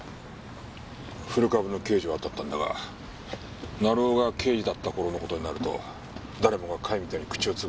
古株の刑事を当たったんだが成尾が刑事だった頃の事になると誰もが貝みたいに口をつぐんでやがる。